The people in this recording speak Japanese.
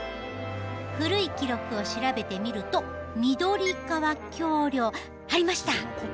古い記録を調べてみると緑川橋梁ありました。